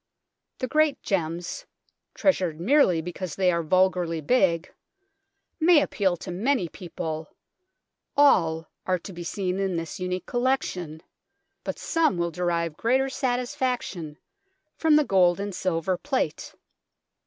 The great gems, treasured merely because they are vulgarly big, may appeal to many people all are to be seen in this unique collection but some will derive greater satisfaction from the gold and 102 THE TOWER OF LONDON silver plate.